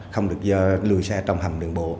không được lùi xe trong hầm đường bộ